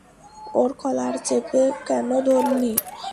ওর collar চেপে কেন ধরলি?